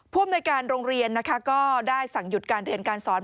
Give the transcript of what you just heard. อำนวยการโรงเรียนนะคะก็ได้สั่งหยุดการเรียนการสอน